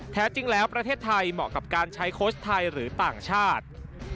แท้จริงแล้วประเทศไทยเหมาะกับการใช้โค้ชไทยหรือต่างชาติ